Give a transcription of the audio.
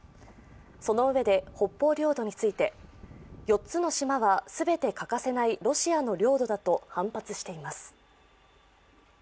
そのうえで、北方領土について４つの島は全て欠かせないロシアの領土だと反発しています。